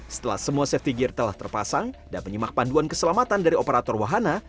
setelah semua safety gear telah terpasang dan menyimak panduan keselamatan dari operator wahana